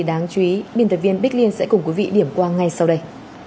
đáng chú ý biên tập viên bích liên sẽ cùng quý vị điểm qua ngay sau đây